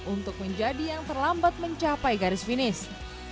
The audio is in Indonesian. untuk menjadi yang terlambat mencapai garis finish